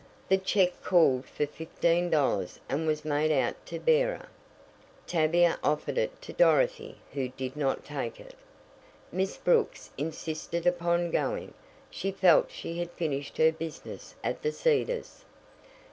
The check called for fifteen dollars and was made out to bearer. Tavia offered it to Dorothy, who did not take it. Miss Brooks insisted upon going. She felt she had finished her business at The Cedars.